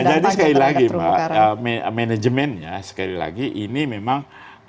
nah jadi sekali lagi manajemennya sekali lagi ini memang